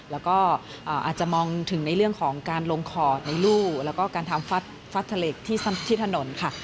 แล้วก็อาจจะมองถึงในเรื่องของการลงขอดในรูแล้วก็การทำฟัดทะเลที่ถนนค่ะ